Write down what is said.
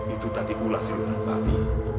itu tadi pula siluman padi